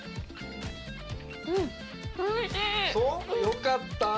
よかった。